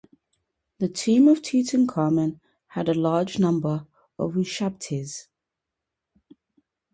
The tomb of Tutankhamun had a large number of ushabtis.